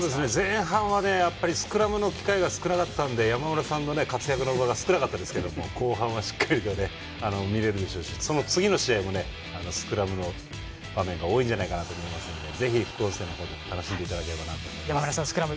前半はスクラムの機会が少なかったので山村さんの活躍の場が少なかったですけれども後半はしっかりと見れるでしょうし次の試合もスクラムの場面が見られるでしょうしぜひ、副音声の方も楽しんでいただきたいと思います。